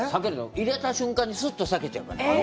入れた瞬間に、すっと裂けちゃうから。